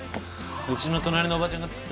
うちの隣のおばちゃんが作ったんだけどよ